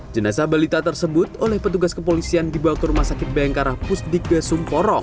jenasa balita tersebut oleh petugas kepolisian di baktur masakit bengkarah pusdika sumporong